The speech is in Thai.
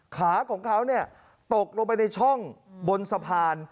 ขาของเขาตกลงไปในช่องบนสะพาน